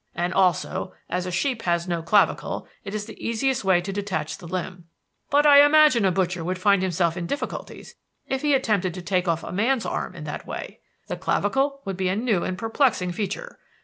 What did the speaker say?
And also, as a sheep has no clavicle, it is the easiest way to detach the limb. But I imagine a butcher would find himself in difficulties if he attempted to take off a man's arm in that way. The clavicle would be a new and perplexing feature.